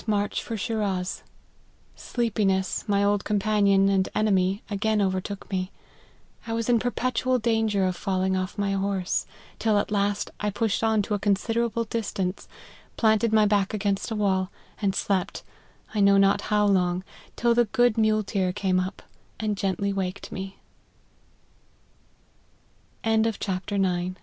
march for Shiraz. Sleepiness, my old companion and enemy, again overtook me. I was in perpetual danger of falling off my horse, till at last I pushed on to a considerable distance, planted my back against a wall, and slept, I know not how long, till the g